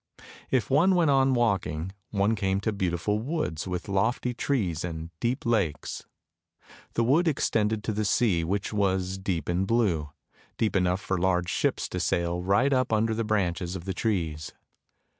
If one went on walking, one came to beautiful woods with lofty trees and deep lakes. The wood extended to the sea, which was deep and blue, deep enough for large ships to sail up right under the branches of the trees.